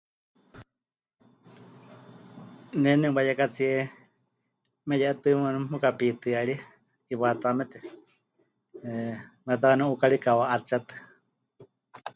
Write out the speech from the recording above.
Ne nemɨwayekatsíe meye'etɨ waníu mepɨkapitɨ́arie 'iwataamete, 'e, metá wanɨ́u 'ukári kawa'atsetɨ.